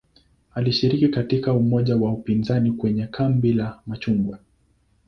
Alishiriki katika umoja wa upinzani kwenye "kambi la machungwa".